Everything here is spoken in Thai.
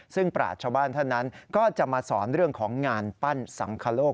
ซึ่งปราชชาวบ้านท่านนั้นก็จะมาสอนเรื่องของงานปั้นสังคโลก